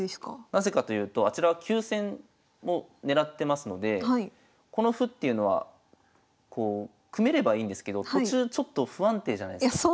なぜかというとあちらは急戦を狙ってますのでこの歩っていうのはこう組めればいいんですけど途中ちょっと不安定じゃないすか。